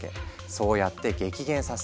そうやって激減させ